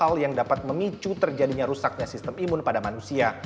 hal yang dapat memicu terjadinya rusaknya sistem imun pada manusia